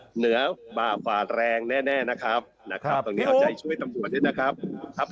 เหนือบ้าฝาดแรงแน่นะครับตรงนี้เอาใจช่วยตำรวจนิดหน่อยนะครับ